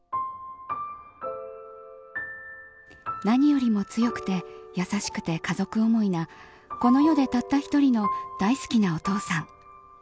何よりも強くて優しくて家族思いなこの世でたった１人の大好きなお父さん。